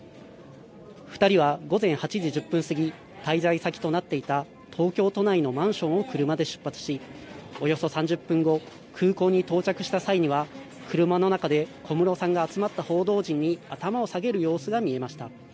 ２人は午前８時１０分過ぎ滞在先となっていた東京都内のマンションを車で出発し、およそ３０分後、空港に到着した際には車の中で小室さんが集まった報道陣に頭を下げる様子が見えました。